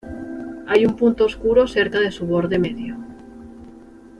Hay un punto oscuro cerca el su borde medio.